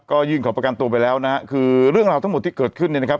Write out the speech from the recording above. ก็ยื่นขอประกันตัวไปแล้วนะฮะคือเรื่องราวทั้งหมดที่เกิดขึ้นเนี่ยนะครับ